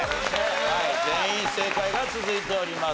はい全員正解が続いております。